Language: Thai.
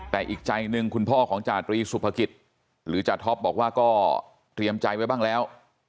แต่อีกใจหนึ่งคุณพ่อของจาตรีสุภกิจหรือจาท็อปบอกว่าก็เตรียมใจไว้บ้างแล้ว